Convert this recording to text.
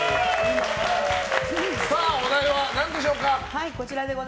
お題は何でしょうか。